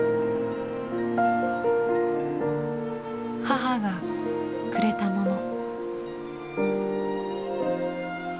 母がくれたもの。